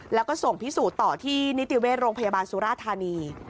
แล้วก็ส่งพิสูจน์ต่อที่นิติเวชโรงพยาบาลสุราธานี